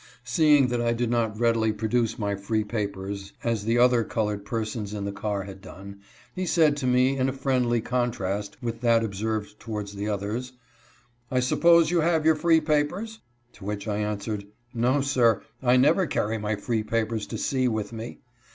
Seeing that I did not readily produce my free papers, as the other colored persons in the car had done, he said to me in a friendly contrast with that observed towards the others :" I suppose you have your free papers ?" To which I answered :" No, sir ; I never carry my free papers to sea with me."